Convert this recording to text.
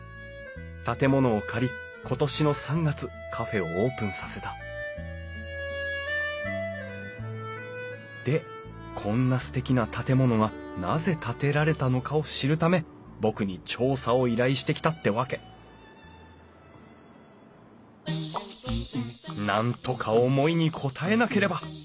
建物を借り今年の３月カフェをオープンさせたでこんなすてきな建物がなぜ建てられたのかを知るため僕に調査を依頼してきたってわけなんとか思いに応えなければ！